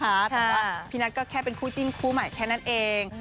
แต่ว่าพี่นัทก็แค่เป็นคู่จิ้นคู่ใหม่แค่นั้นเอง